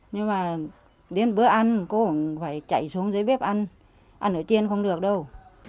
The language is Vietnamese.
nhưng mà đến bữa ăn cô cũng phải chạy xuống dưới bếp ăn ăn ở trên không được đâu